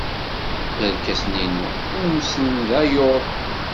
Irkasen-inu umsen d aluḍ.